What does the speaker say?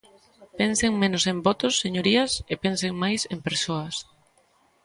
Pensen menos en votos, señorías, e pensen máis en persoas.